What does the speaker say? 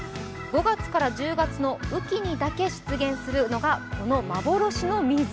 ５月から１０月の雨季に出現するのがこの幻の湖。